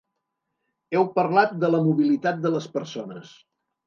Heu parlat de la mobilitat de les persones.